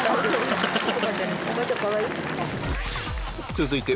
続いて